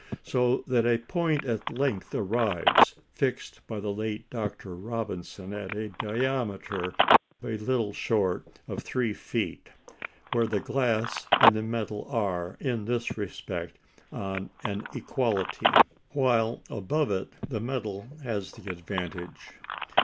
So that a point at length arrives fixed by the late Dr. Robinson at a diameter a little short of 3 feet where the glass and the metal are, in this respect, on an equality; while above it the metal has the advantage.